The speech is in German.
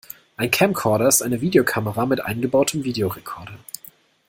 Ein Camcorder ist eine Videokamera mit eingebautem Videorekorder.